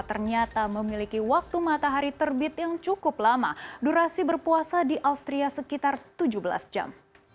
ternyata memiliki waktu matahari terbit yang cukup lama durasi berpuasa di austria sekitar tujuh belas jam